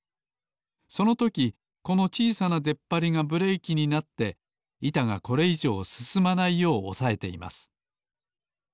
そのときこのちいさなでっぱりがブレーキになっていたがこれいじょうすすまないようおさえています。